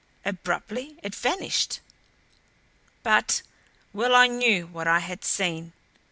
Abruptly it vanished. But well I knew what I had seen.